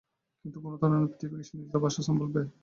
কিন্তু কোন ধরণের পৃথিবীকে সে নিজের বাসস্থান বলবে?